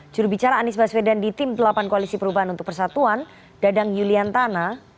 jurubicara anies baswedan di tim delapan koalisi perubahan untuk persatuan dadang yuliantana